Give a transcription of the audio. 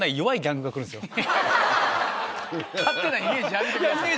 勝手なイメージやめてください。